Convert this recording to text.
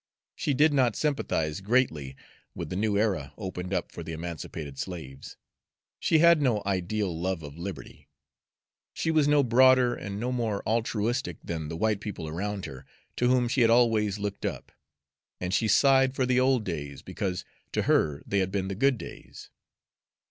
She did not sympathize greatly with the new era opened up for the emancipated slaves; she had no ideal love of liberty; she was no broader and no more altruistic than the white people around her, to whom she had always looked up; and she sighed for the old days, because to her they had been the good days.